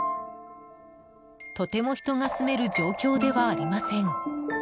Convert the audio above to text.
とても人が住める状況ではありません。